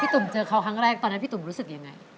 พี่ตุ๋มเจอเค้าแรกตอนนั้นพี่ตุ๋มรู้สึกอย่างไร